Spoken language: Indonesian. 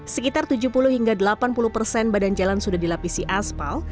sekitar tujuh puluh hingga delapan puluh persen badan jalan sudah dilapisi aspal